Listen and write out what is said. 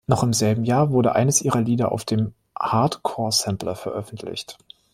Noch im selben Jahr wurde eines ihrer Lieder auf dem H’Artcore-Sampler veröffentlicht.